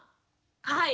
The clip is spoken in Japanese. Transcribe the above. はい。